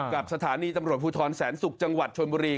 กับสถานีตำรวจภูทรแสนศุกร์จังหวัดชนบุรี